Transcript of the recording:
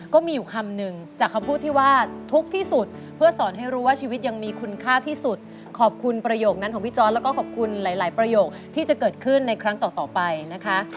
ก็มีอยู่คำหนึ่งจากคำพูดที่ว่าทุกข์ที่สุดเพื่อสอนให้รู้ว่าชีวิตยังมีคุณค่าที่สุดขอบคุณประโยคนั้นของพี่จอร์ดแล้วก็ขอบคุณหลายประโยคที่จะเกิดขึ้นในครั้งต่อไปนะคะ